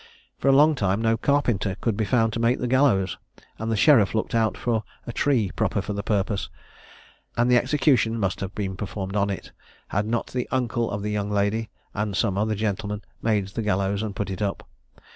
For a long time no carpenter could be found to make the gallows, and the sheriff looked out for a tree proper for the purpose, and the execution must have been performed on it, had not the uncle of the young lady, and some other gentlemen, made the gallows, and put it up.